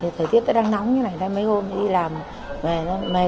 thời tiết đã đang nóng như thế này mấy hôm đi làm mệt